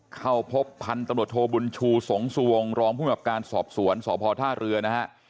เข้าพบพันธุ์ตำรวจโทบุญชูสงสุวงรองภูมิกับการสอบสวนสพท่าเรือนะฮะ